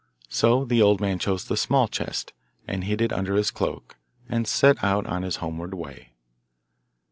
So the old man chose the small chest, and hid it under his cloak, and set out on his homeward way.